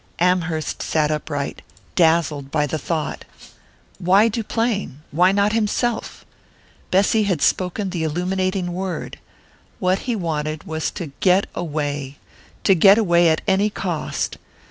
Amherst sat upright, dazzled by the thought. Why Duplain why not himself? Bessy had spoken the illuminating word what he wanted was to get away to get away at any cost!